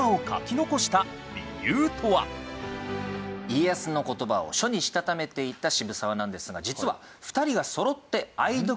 家康の言葉を書にしたためていた渋沢なんですが実は。